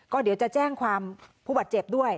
ก็เดี๋ยวจะแจ้งความผู้บาดเจ็บด้วย